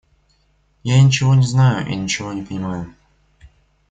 Я ничего не знаю и ничего не понимаю.